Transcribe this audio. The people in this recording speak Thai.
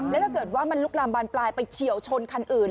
แล้วถ้าเกิดว่ามันลุกลามบานปลายไปเฉียวชนคันอื่น